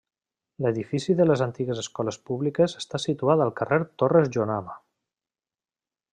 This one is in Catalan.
L'edifici de les antigues escoles públiques està situat al carrer Torres Jonama.